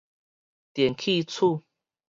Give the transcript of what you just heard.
電氣鼠